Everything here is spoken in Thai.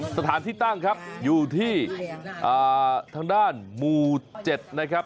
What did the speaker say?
สถานที่ตั้งครับอยู่ที่ทางด้านหมู่๗นะครับ